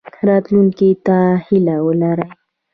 راتلونکي ته هیله ولرئ